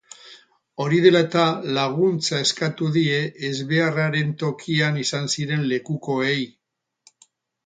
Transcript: Hori dela eta, laguntza eskatu die ezbeharraren tokian izan ziren lekukoei.